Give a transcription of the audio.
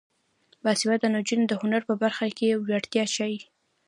باسواده نجونې د هنر په برخه کې وړتیا ښيي.